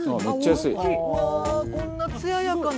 こんなつややかな。